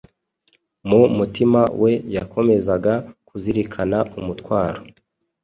mu mutima we yakomezaga kuzirikana umutwaro